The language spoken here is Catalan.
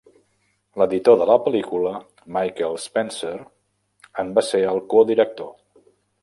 L'editor de la pel·lícula, Michael Spencer, en va ser el codirector.